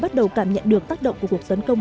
bắt đầu cảm nhận được tác động của cuộc tấn công